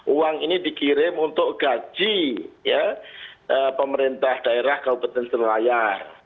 uang ini dikirim untuk gaji pemerintah daerah kabupaten selayar